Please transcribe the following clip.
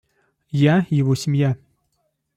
Я его семья.